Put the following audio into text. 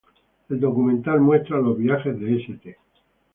El documental muestra los viajes de St.